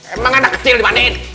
emang anak kecil dimandiin